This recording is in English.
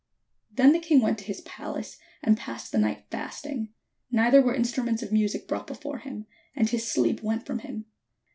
Then the king went to his palace, and passed the night fasting : neither were instruments of music brought before him: and his sleep went from him.